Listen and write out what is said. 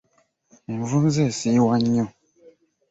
Envunza esiiwa nnyo.